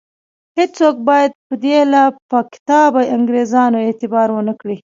هیڅوک باید پر دې لافکتابه انګرېزانو اعتبار ونه کړي.